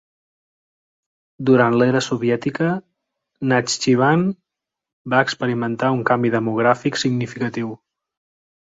Durant l'era soviètica, Nakhchivan va experimentar un canvi demogràfic significatiu.